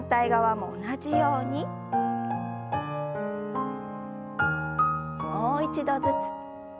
もう一度ずつ。